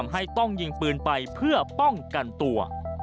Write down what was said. ให้ต้องยิงปืนไปเพื่อป้องกันตัว